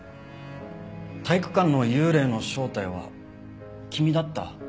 体育館の幽霊の正体は君だった。